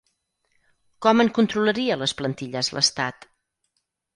Com en controlaria les plantilles l’estat?